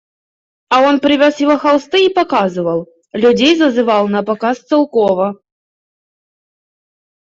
А он привез его холсты и показывал, людей зазывал на показ Целкова.